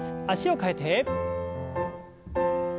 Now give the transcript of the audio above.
脚を替えて。